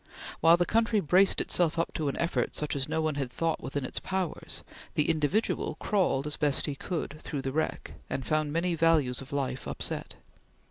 While the country braced itself up to an effort such as no one had thought within its powers, the individual crawled as he best could, through the wreck, and found many values of life upset.